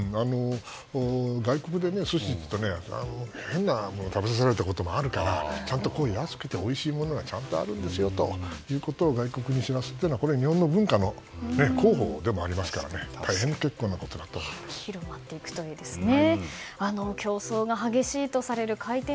外国で寿司というと変なものを食べさせられたこともあるから安くておいしいものがちゃんとあるんですよということを外国の知らすのは日本の文化の広報でもありますから広まっていくといいですね。